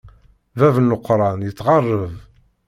Bab n leqṛan ittɛaṛṛeb.